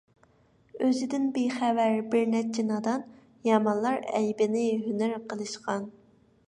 ئۆزىدىن بىخەۋەر بىرنەچچە نادان، يامانلار ئەيىبىنى ھۈنەر قىلىشقان.